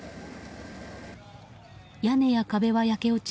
屋根や壁は焼け落ち